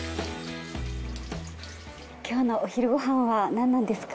今日のお昼ご飯はなんなんですか？